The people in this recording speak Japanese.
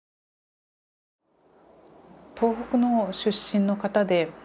東北の出身の方で。